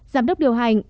giám đốc điều hành